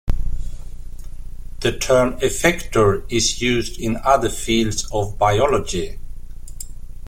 The term "effector" is used in other fields of biology.